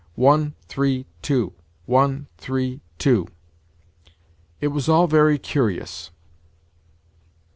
One, three, two: one, three, two. It was all very curious.